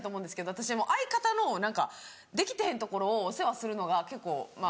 私相方の何かできてへんところをお世話するのが結構まぁ。